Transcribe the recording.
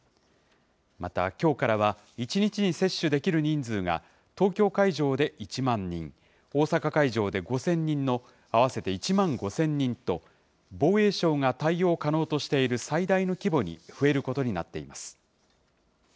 また、きょうからは１日に接種できる人数が、東京会場で１万人、大阪会場で５０００人の合わせて１万５０００人と、防衛省が対応可能としている最大の規模に増えることになっています。